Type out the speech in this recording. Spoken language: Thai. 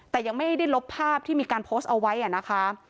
แต่ยังไม่ได้ลบภาพที่มีการโพสต์เอาไว้นะคะ